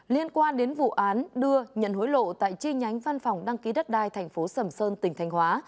liên quan đến vụ án đưa nhận hối lộ tại chi nhánh văn phòng đăng ký đất đai tp sầm sơn tỉnh thành hóa